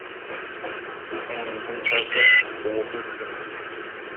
En ningún caso hubo víctimas.